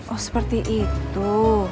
oh seperti itu